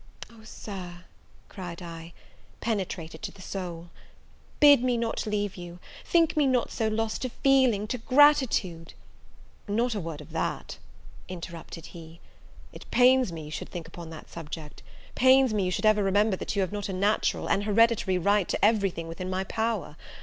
"Oh, Sir," cried I, penetrated to the soul, "bid me not leave you! think me not so lost to feeling, to gratitude " "Not a word of that," interrupted he: "it pains me you should think upon that subject; pains me you should ever remember that you have not a natural, an hereditary right to every thing within my power.